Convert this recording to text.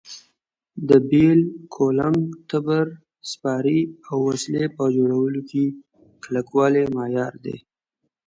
د بېل، کولنګ، تبر، سپارې او وسلې په جوړولو کې کلکوالی معیار دی.